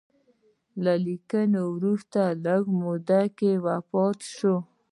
له لیکلو وروسته لږ موده کې وفات شو.